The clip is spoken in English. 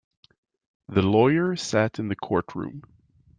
The lawyer sat in the courtroom.